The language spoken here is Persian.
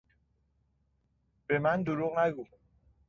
به من دروغ نگو!